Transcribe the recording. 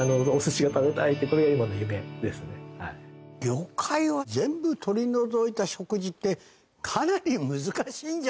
魚介を全部取り除いた食事ってかなり難しいんじゃないか？